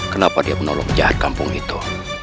kenapa dia menolong jahat kampung itu